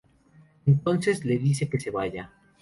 Entonces le dice que se vaya.